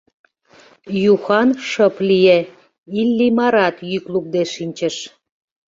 Юхан шып лие, Иллимарат йӱк лукде шинчыш.